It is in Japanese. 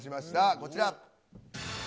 こちら。